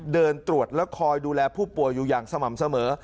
เดินตรวจและคอยดูแลผู้ป่วยอยู่อย่างสม่ำเสมอ